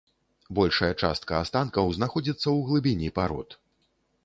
Большая частка астанкаў знаходзіцца ў глыбіні парод.